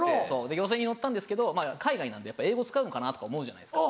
漁船に乗ったんですけど海外なんで英語使うのかなとか思うじゃないですか。